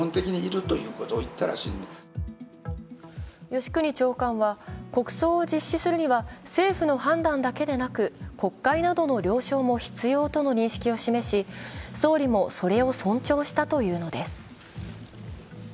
吉国長官は国葬を実施するには、政府の判断だけでなく、国会などの了承も必要との認識を示し、総理もそれを尊重したというのです。